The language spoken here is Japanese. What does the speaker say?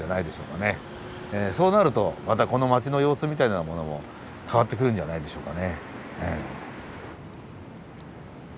そうなるとまたこの町の様子みたいなものも変わってくるんじゃないでしょうかね。